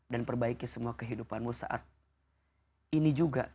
dan perbaiki semua kehidupanmu saat ini juga